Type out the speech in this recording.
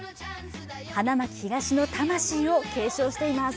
花巻東の魂を継承しています。